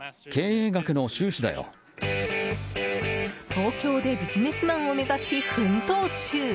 東京でビジネスマンを目指し奮闘中！